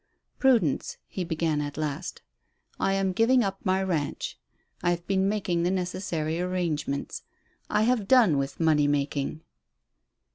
"Prudence," he began, at last, "I am giving up my ranch. I have been making the necessary arrangements. I have done with money making."